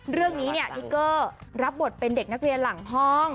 เรื่องนี้เนี่ยทิเกอร์รับบทเป็นเด็กนักเรียนหลังห้อง